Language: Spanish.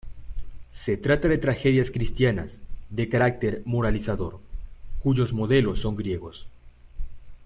Se trata de tragedias cristianas, de carácter moralizador, cuyos modelos son griegos.